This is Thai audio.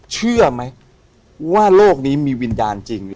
เชื่อไหมว่าโลกนี้มีวิญญาณจริง